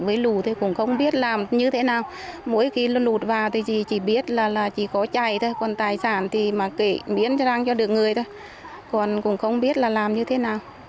với lù thì cũng không biết làm như thế nào mỗi khi lùn lụt vào thì dư chỉ biết là chỉ có chày thôi còn tài sản thì mà kể miễn răng cho được người thôi còn cũng không biết là làm như thế nào